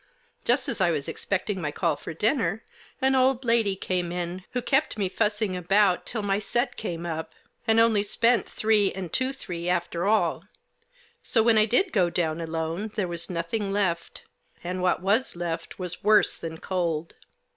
Just as I was expecting my call for dinner an old lady came in who kept me fussing about till my set came up — and only spent three and two three after all ; so when I did go down alone there was nothing left ; and what was left was worse than cold.